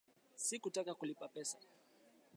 Sikutaka kulipa pesa